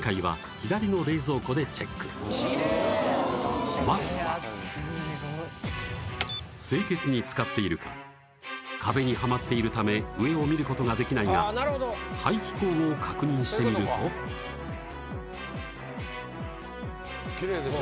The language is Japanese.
きれいまずは清潔に使っているか壁にはまっているため上を見ることができないが排気口を確認してみるときれいでしょ？